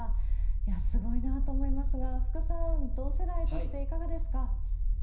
いやー、すごいなと思いますが、福さん、同世代としていかがですか？